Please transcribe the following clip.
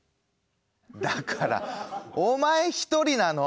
だからお前一人なの。